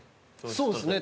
そうですね。